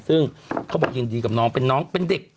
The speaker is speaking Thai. ซึ่งเขาบอกยินดีกับน้องเป็นน้องเป็นเด็ก